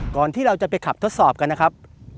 ที่เราจะไปขับทดสอบกันนะครับ